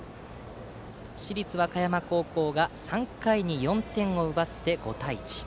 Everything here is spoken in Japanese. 市立和歌山高校が３回に４点を奪って５対１。